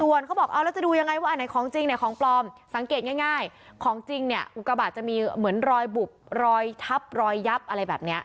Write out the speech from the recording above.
ส่วนเขาบอกเอาแล้วจะดูยังไงว่าอันไหนของจริงไหนของปลอมสังเกตง่ายของจริงเนี่ยอุกบาทจะมีเหมือนรอยบุบรอยทับรอยยับอะไรแบบนี้